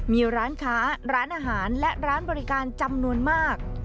มีร้านค้าร้านอาหารและร้านบริการจำนวนมาก